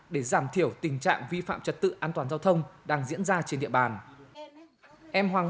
để giảm thiểu tình trạng vi phạm trật tự an toàn giao thông đang diễn ra trên địa bàn